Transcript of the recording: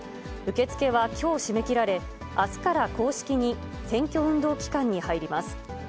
受け付けはきょう締め切られ、あすから公式に選挙運動期間に入ります。